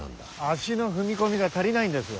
足の踏み込みが足りないんです。